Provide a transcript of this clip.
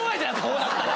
こうなったら。